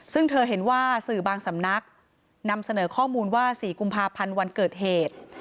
ซึ่งเธอเห็นว่าสื่อบางสำนักนำเสนอข้อมูลว่า๔กุมภาพันธ์วันเกิดเหตุ